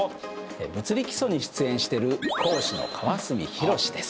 「物理基礎」に出演してる講師の川角博です。